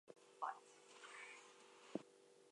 It contains engravings and paintings of Pastoral Neolithic age.